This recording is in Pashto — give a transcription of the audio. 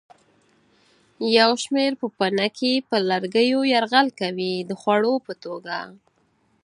یو شمېر پوپنکي پر لرګیو یرغل کوي د خوړو په توګه.